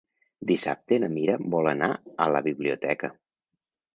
Dissabte na Mira vol anar a la biblioteca.